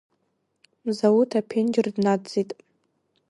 Мзауҭ аԥенџьыр днадҵит.